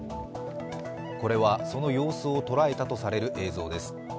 これは、その様子を捉えたとされる映像です。